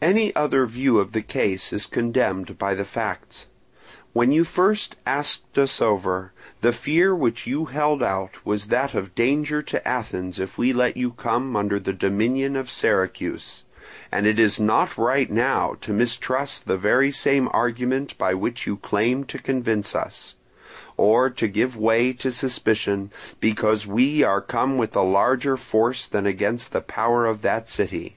"Any other view of the case is condemned by the facts. When you first asked us over, the fear which you held out was that of danger to Athens if we let you come under the dominion of Syracuse; and it is not right now to mistrust the very same argument by which you claimed to convince us, or to give way to suspicion because we are come with a larger force against the power of that city.